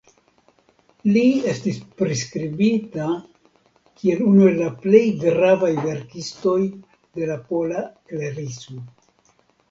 Li estis priskribita kiel unu el la plej gravaj verkistoj de la Pola Klerismo.